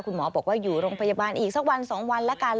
คุณหมอบอกว่าอยู่โรงพยาบาลอีกสักวัน๒วันแล้วกัน